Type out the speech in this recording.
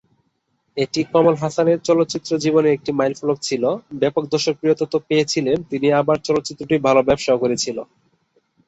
এটি কমল হাসানের চলচ্চিত্র জীবনের একটি মাইলফলক ছিলো, ব্যাপক দর্শকপ্রিয়তা তো পেয়েছিলেন তিনি আবার চলচ্চিত্রটিও ভালো ব্যবসা করেছিলো।